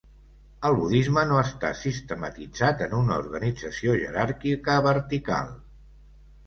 El budisme no està sistematitzat en una organització jeràrquica vertical.